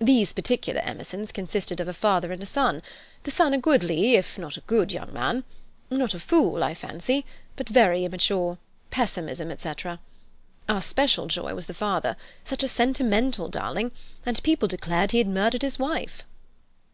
"These particular Emersons consisted of a father and a son—the son a goodly, if not a good young man; not a fool, I fancy, but very immature—pessimism, et cetera. Our special joy was the father—such a sentimental darling, and people declared he had murdered his wife."